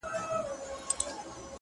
کور مي د بلا په لاس کي وليدی!